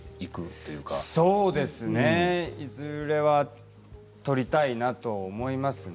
そうですね。いずれは撮りたいなと思いますね。